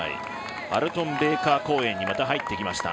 アルトン・ベイカー公園にまた入ってきました。